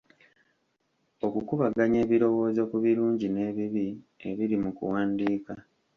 Okukubaganya ebirowoozo ku birungi n'ebibi ebiri mu kuwandiika